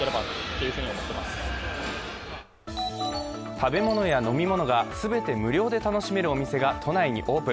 食べ物や飲み物が全て無料で楽しめるお店が都内にオープン。